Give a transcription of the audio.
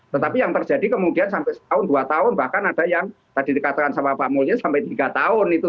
tetapi yang terjadi kemudian sampai setahun dua tahun bahkan ada yang tadi dikatakan sama pak mulya sampai tiga tahun itu